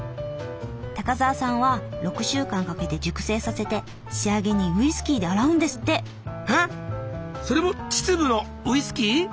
高沢さんは６週間かけて熟成させて仕上げにウイスキーで洗うんですって。へ⁉それも秩父のウイスキー？